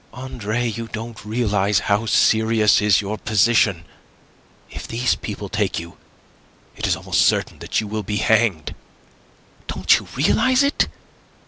"Andre, you don't realize how serious is your position. If these people take you, it is almost certain that you will be hanged. Don't you realize it?